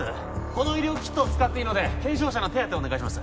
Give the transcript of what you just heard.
この医療キットを使っていいので軽傷者の手当てをお願いします